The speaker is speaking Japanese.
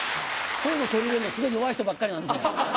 そういうの取り入れるのすごい弱い人ばっかりなんで。